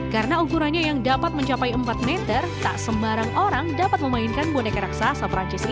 karena ukurannya yang dapat mencapai empat meter tak sembarang orang dapat memainkan boneka raksasa perancis ini